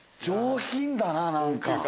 上品だな、なんか。